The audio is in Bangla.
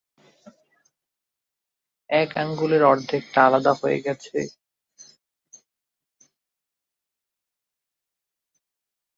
এক আঙুলের অর্ধেকটা আলাদা হয়ে গেছে।